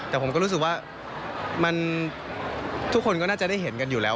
แต่ผมก็รู้สึกว่าทุกคนก็น่าจะได้เห็นกันอยู่แล้ว